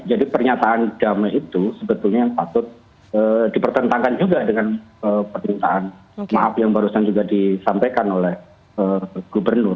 jadi pernyataan damai itu sebetulnya yang sepatut dipertentangkan juga dengan permintaan maaf yang barusan juga disampaikan oleh gubernur